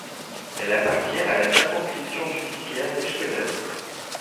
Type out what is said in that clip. Elle appartient à la circonscription judiciaire d'Eschweiler.